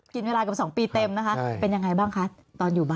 กินเวลาเกือบ๒ปีเต็มนะคะเป็นยังไงบ้างคะตอนอยู่บ้าน